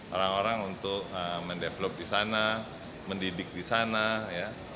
orang orang untuk mendevelop di sana mendidik di sana ya